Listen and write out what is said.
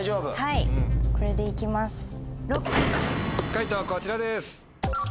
解答こちらです。